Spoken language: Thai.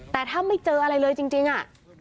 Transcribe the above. แต่ถ้าไม่เจออะไรเลยจริงอ่ะ